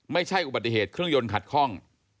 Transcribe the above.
ไม่ใช่อุบัติเหตุเครื่องยนต์ขัดคล่อง